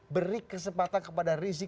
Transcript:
beri kesempatan kepada rizik